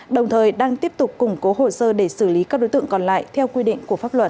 đồng thời đang tiếp tục củng cố hồ sơ để xử lý các đối tượng còn lại theo quy định của pháp luật